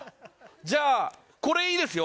じゃあ、これいいですよ。